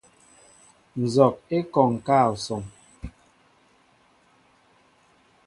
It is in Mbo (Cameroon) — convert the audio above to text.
Nzog e kɔŋ ká assoŋ.